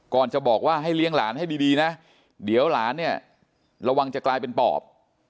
จะบอกว่าให้เลี้ยงหลานให้ดีนะเดี๋ยวหลานเนี่ยระวังจะกลายเป็นปอบ